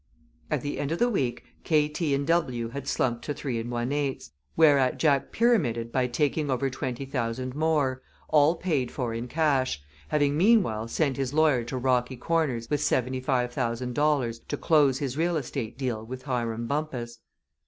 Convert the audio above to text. At the end of the week K., T. & W. had slumped to 3 1/8, whereat Jack pyramided by taking over twenty thousand more, all paid for in cash, having meanwhile sent his lawyer to Rocky Corners with seventy five thousand dollars to close his real estate deal with Hiram Bumpus.